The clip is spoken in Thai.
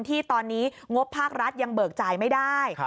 ที่ตอนนี้งบภาครัฐยังเบิกจ่ายไม่ได้